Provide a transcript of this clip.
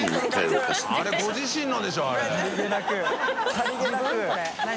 さりげなく。